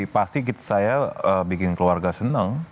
pasti saya bikin keluarga senang